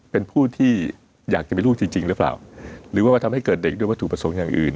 เป็นผู้ที่อยากจะมีลูกจริงจริงหรือเปล่าหรือว่ามาทำให้เกิดเด็กด้วยวัตถุประสงค์อย่างอื่น